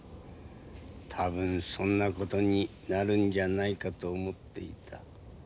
多分そんな事になるんじゃないかと思っていた。